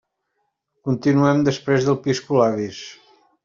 Continuem després del piscolabis.